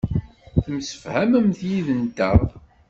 Temsefhamemt yid-nteɣ.